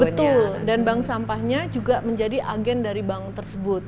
betul dan bank sampahnya juga menjadi agen dari bank tersebut